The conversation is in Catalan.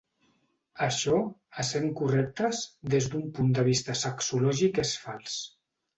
Això, essent correctes, des d’un punt de vista sexològic és fals.